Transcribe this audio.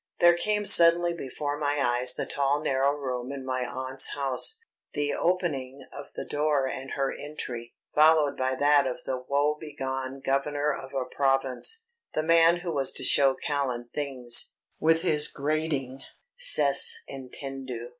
There came suddenly before my eyes the tall narrow room in my aunt's house, the opening of the door and her entry, followed by that of the woebegone governor of a province the man who was to show Callan things with his grating "_Cest entendu